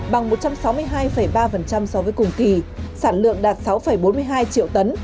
bằng một trăm sáu mươi hai ba so với cùng kỳ sản lượng đạt sáu bốn mươi hai triệu tấn